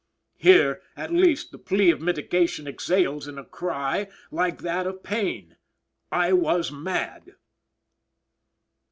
Here, at least, the plea of mitigation exhales in a cry like that of Payne, "I was mad!"